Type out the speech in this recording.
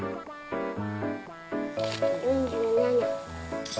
４７。